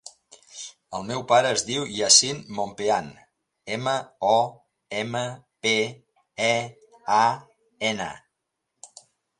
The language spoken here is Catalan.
El meu pare es diu Yassin Mompean: ema, o, ema, pe, e, a, ena.